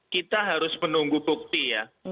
kita harus menunggu bukti ya